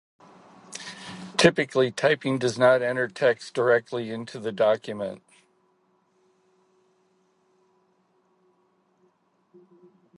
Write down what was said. Typically, typing does not enter text directly into the document.